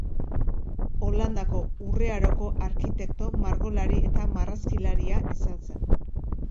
Holandako Urre Aroko arkitekto, margolari eta marrazkilaria izan zen.